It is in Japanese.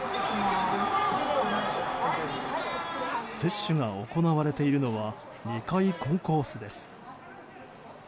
接種が行われているのは２階コンコースです。